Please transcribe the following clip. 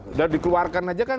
udah dikeluarkan aja kan